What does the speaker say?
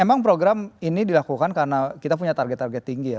memang program ini dilakukan karena kita punya target target tinggi ya